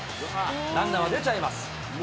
ランナーは出ちゃいます。